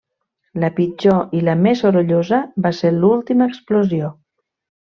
La pitjor i la més sorollosa va ser l'última explosió.